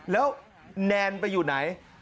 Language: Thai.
แล้วแนนไปอยู่ไหน